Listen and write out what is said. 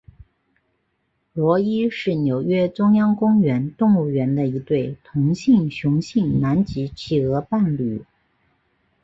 罗伊是纽约中央公园动物园的一对同性雄性南极企鹅伴侣。